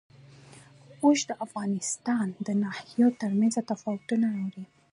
اوښ د افغانستان د ناحیو ترمنځ تفاوتونه راولي.